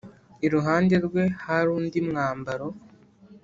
iruhande rwe hari undi mwambaro